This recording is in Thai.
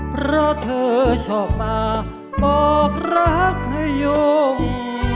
เพราะเธอชอบมาบอกรักให้ยง